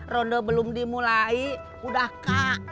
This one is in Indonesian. ronde belum dimulai udah kak